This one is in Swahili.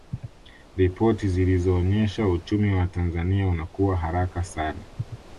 ripoti zilionyesha uchumi wa tanzania unakua haraka sana